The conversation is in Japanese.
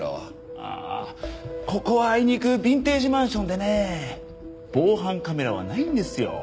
ああここはあいにくビンテージマンションでね防犯カメラはないんですよ。